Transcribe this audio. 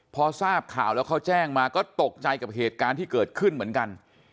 พอทราบข่าวแล้วเขาแจ้งมาก็ตกใจกับเหตุการณ์ที่เกิดขึ้นเหมือนกัน